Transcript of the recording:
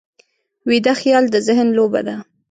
ویده خیال د ذهن لوبه ده